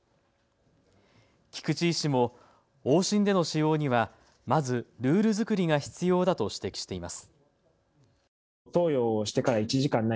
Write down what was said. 菊池医師も往診での使用にはまずルール作りが必要だと指摘しています。